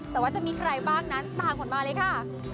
แต่ว่าจะมีใครบ้างนั้นตามผมมาเลยค่ะ